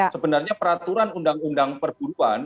sebenarnya peraturan undang undang perburuan